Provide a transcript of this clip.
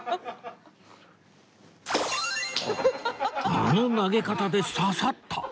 あの投げ方で刺さった！